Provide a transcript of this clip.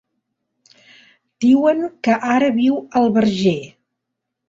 Diuen que ara viu al Verger.